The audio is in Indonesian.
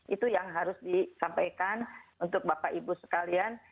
itu yang harus disampaikan untuk bapak ibu sekalian